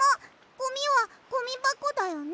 ゴミはゴミばこだよね。